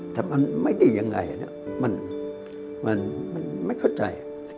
แต่มันไม่ดียังไงมันไม่เข้าใจ